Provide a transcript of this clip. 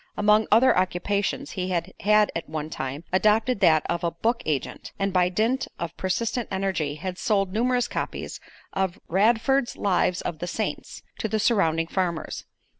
Among other occupations he had at one time adopted that of a book agent, and by dint of persistent energy had sold numerous copies of "Radford's Lives of the Saints" to the surrounding farmers.